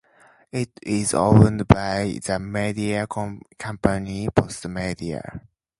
It is owned by the media company Postmedia.